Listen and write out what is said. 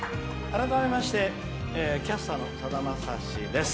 改めまして、キャスターのさだまさしです。